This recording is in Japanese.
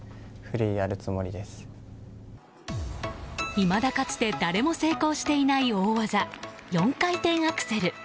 いまだかつて誰も成功していない大技４回転アクセル。